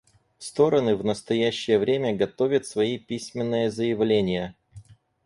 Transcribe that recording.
Стороны в настоящее время готовят свои письменные заявления.